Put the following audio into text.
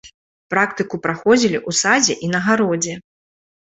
Практыку праходзілі ў садзе і на гародзе.